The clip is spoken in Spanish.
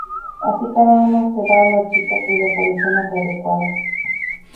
Así cada uno se la da a la chica que le pareció más adecuada.